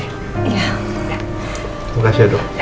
terima kasih dok